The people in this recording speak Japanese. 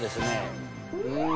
うん